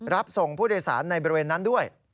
รับส่งผู้โดยสารในบริเวณนั้นด้วย